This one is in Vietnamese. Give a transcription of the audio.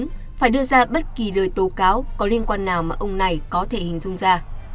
đã đưa ra bất kỳ lời tố cáo có liên quan nào mà ông này có thể hình dung ra